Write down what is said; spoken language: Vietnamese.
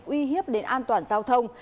uy hiếp đến an toàn giao thông